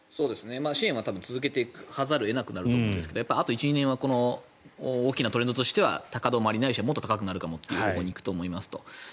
支援は多分続けていかざるを得ないと思うんですがあと１２年はこの大きなトレンドとしては高止まり、ないしはもっと高くなるという方向に行きますと。